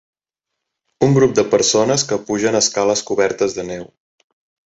Un grup de persones que pugen escales cobertes de neu.